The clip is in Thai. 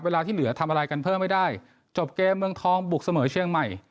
เวลาที่เหลือทำอะไรกันเพิ่มไม่ได้จบเกมเมืองทองบุกเสมอเชียงใหม่